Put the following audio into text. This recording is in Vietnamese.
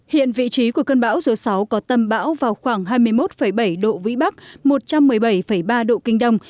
hiện vị trí của cơn bão số sáu có tâm bão vào khoảng hai mươi một bảy độ vĩ bắc một trăm một mươi bảy ba độ kinh đông